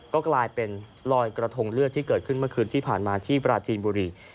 ก็กลายเป็นลอยกระทงเลือดที่เกิดขึ้นเมื่อคืนที่ผ่านมาที่ปราจีนบุรี